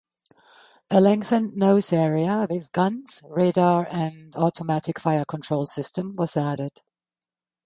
A lengthened nose area with guns, radar, and automatic fire control system was added.